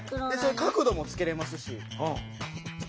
角度もつけれますし。